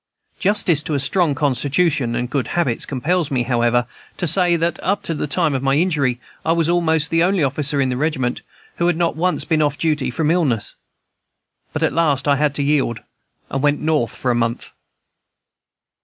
Justice to a strong constitution and good habits compels me, however, to say that, up to the time of my injury, I was almost the only officer in the regiment who had not once been off duty from illness. But at last I had to yield, and went North for a month.